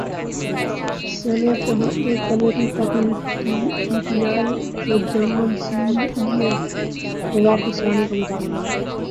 senate committee کا P I A کے German C E O کو واپس لانے کا مطالبہ